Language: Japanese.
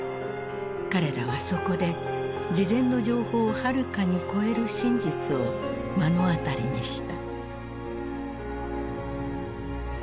彼らはそこで事前の情報をはるかに超える真実を目の当たりにした。